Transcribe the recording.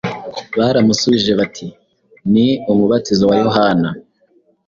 Baramusubije bati, ni ” Umubatizo wa Yohana.”